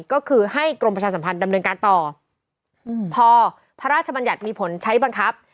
ก็คือให้กรมประชาสัมพันธ์ดำเนินการต่ออืมพอพระราชบัญญัติมีผลใช้บังคับ